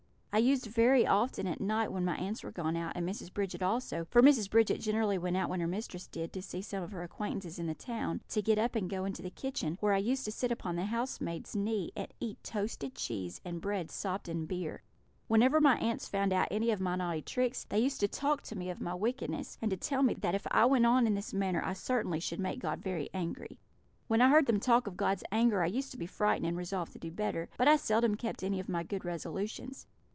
I used very often at night, when my aunts were gone out, and Mrs. Bridget also (for Mrs. Bridget generally went out when her mistress did to see some of her acquaintances in the town), to get up and go down into the kitchen, where I used to sit upon the housemaid's knee and eat toasted cheese and bread sopped in beer. Whenever my aunts found out any of my naughty tricks, they used to talk to me of my wickedness, and to tell me that if I went on in this manner I certainly should make God very angry. When I heard them talk of God's anger I used to be frightened, and resolved to do better; but I seldom kept any of my good resolutions.